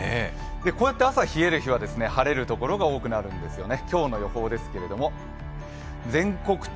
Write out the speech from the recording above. こうやって朝冷えるところは晴れるところが多くなるんですよね。